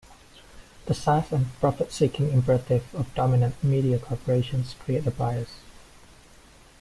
The size and profit-seeking imperative of dominant media corporations create a bias.